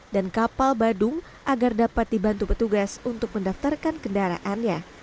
dan kapal badung agar dapat dibantu petugas untuk mendaftarkan kendaraannya